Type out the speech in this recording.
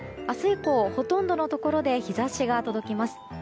明日以降、ほとんどのところで日差しが届きます。